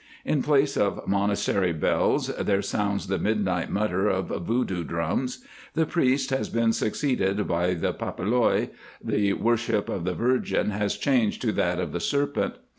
In place of monastery bells there sounds the midnight mutter of voodoo drums; the priest has been succeeded by the "papaloi," the worship of the Virgin has changed to that of the serpent.